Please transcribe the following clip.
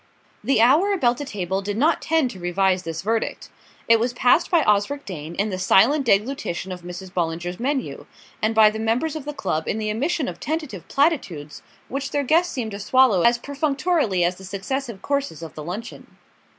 The hour about the table did not tend to revise this verdict. It was passed by Osric Dane in the silent deglutition of Mrs. Bollinger's menu, and by the members of the club in the emission of tentative platitudes which their guest seemed to swallow as perfunctorily as the successive courses of the luncheon.